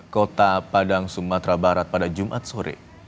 kota padang sumatera barat pada jumat sore